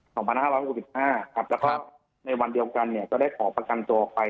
ครับแล้วครับในวันเดียวกันได้ขอประกันตัวออกไป